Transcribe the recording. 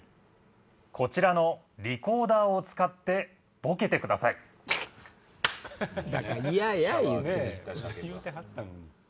・こちらのリコーダーを使ってボケてください・くっ！